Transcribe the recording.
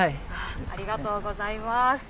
ありがとうございます。